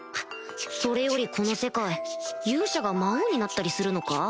それよりこの世界勇者が魔王になったりするのか？